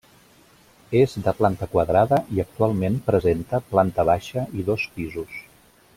És de planta quadrada i actualment presenta planta baixa i dos pisos.